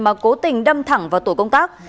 mà cố tình đâm thẳng vào tổ công tác